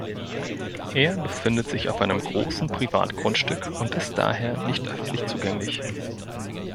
Er befindet sich auf einem großen Privatgrundstück und ist daher nicht öffentlich zugänglich.